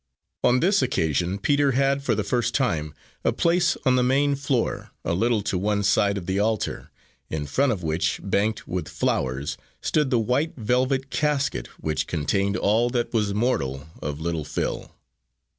On this occasion Peter had, for the first time, a place on the main floor, a little to one side of the altar, in front of which, banked with flowers, stood the white velvet casket which contained all that was mortal of little Phil.